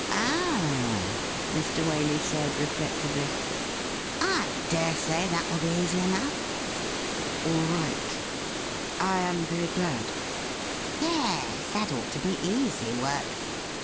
' Oh,' Mr. Waley said rerfectively, ' I dare say that will be easy enough.' ' All right. I am very glad.' ' Yes ; that ought to be easy work.